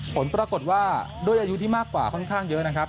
ผลปรากฏว่าด้วยอายุที่มากกว่าค่อนข้างเยอะนะครับ